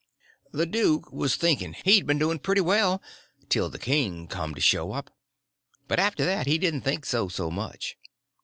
The duke was thinking he'd been doing pretty well till the king come to show up, but after that he didn't think so so much.